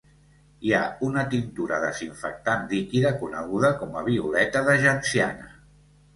Hi ha una tintura desinfectant líquida coneguda com a violeta de genciana.